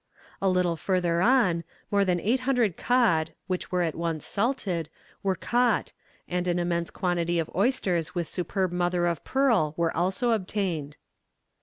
A little further on, more than eight hundred cod, which were at once salted, were caught, and an immense quantity of oysters with superb mother of pearl were also obtained.